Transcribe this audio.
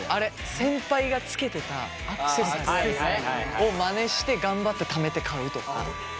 先輩がつけてたアクセサリーをまねして頑張ってためて買うとか。